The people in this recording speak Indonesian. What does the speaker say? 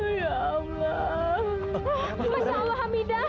masya allah mida